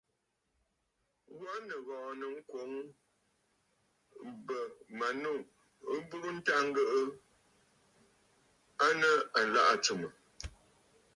Wa nìghɔ̀ɔ̀ nɨ ŋkwǒŋ bə̀ manû nɨ burə nta ŋgɨʼɨ aa nɨ̂ ɨlaʼà tsɨ̀mə̀.